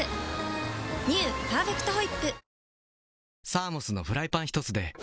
「パーフェクトホイップ」